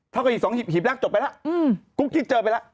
เท่ากับอีก๒หีบหีบเหล็กจบไปแล้วกุ๊กกิ๊กเจอไปแล้ว